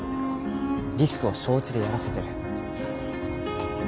リスクを承知でやらせてる。